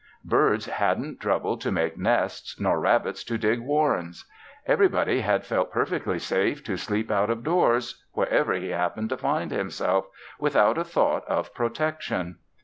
Birds hadn't troubled to make nests, nor rabbits to dig warrens. Everybody had felt perfectly safe to sleep out of doors, wherever he happened to find himself, without a thought of protection.